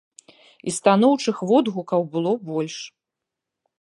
І станоўчых водгукаў было больш.